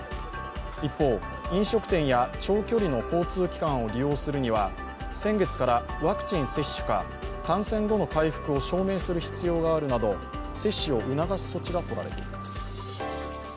一方、飲食店や長距離の交通機関を利用するには先月からワクチン接種か感染後の回復を証明する必要があるなど接種を促す措置が取られています。